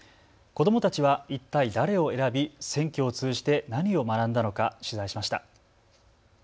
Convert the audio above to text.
子どもたちは一体誰を選び選挙を通じて何を学んだのか取材しました。